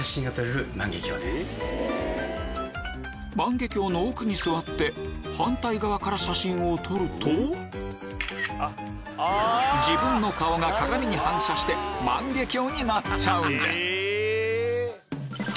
万華鏡の奥に座って反対側から写真を撮ると自分の顔が鏡に反射して万華鏡になっちゃうんです